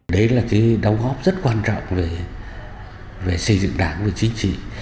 đấy là cái đóng góp rất quan trọng về xây dựng đảng và chính trị